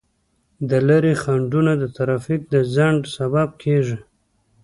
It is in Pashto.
د لارې خنډونه د ترافیک د ځنډ سبب کیږي.